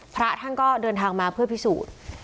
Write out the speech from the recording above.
พระท่านก็เดินทางมาเพื่อพิสูจน์